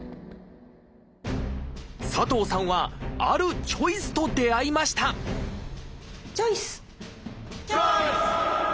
佐藤さんはあるチョイスと出会いましたチョイス！